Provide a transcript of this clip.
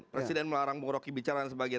presiden melarang bung rocky bicara dan sebagainya